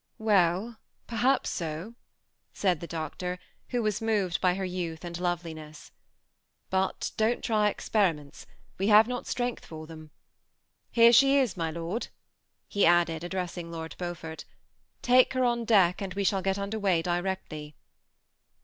" Well, perhaps so," said the doctor, who was moved by her youth and loveliness ;" but don't try experi ments, we have not strength for them. Here she is, my lord," he added, addressing Lord Beaufort. " Take her on deck, and we shall get under weigh directly."